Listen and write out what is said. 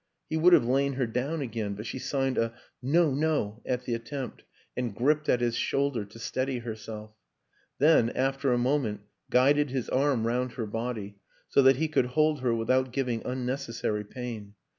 He would have lain her down again, but she signed a " No, no !" at the attempt and gripped at his shoulder to steady herself; then, after a moment, guided his arm round her body, so that he could hold her without giving unnecessary pain.